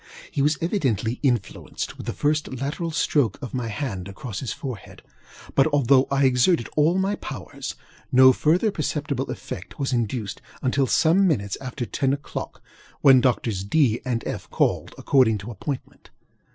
He was evidently influenced with the first lateral stroke of my hand across his forehead; but although I exerted all my powers, no further perceptible effect was induced until some minutes after ten oŌĆÖclock, when Doctors DŌĆöŌĆö and FŌĆöŌĆö called, according to appointment.